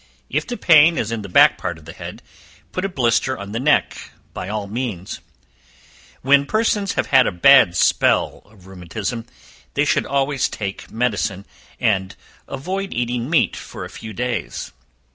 If the pain is in the back part of the head, put a blister on the neck, by all means. When persons have a bad spell of rheumatism, they should always take medicine, and avoid eating meat for a few days.